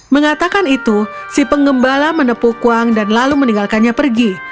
mengatakan itu si pengembala menepuk uang dan lalu meninggalkannya pergi